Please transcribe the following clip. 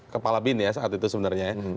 kepala bin ya saat itu sebenarnya ya